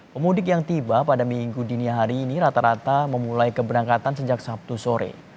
pemudik yang tiba pada minggu dini hari ini rata rata memulai keberangkatan sejak sabtu sore